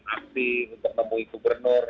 aktif untuk menemui gubernur